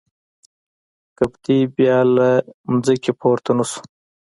قبطي بیا له ځمکې پورته نه شو.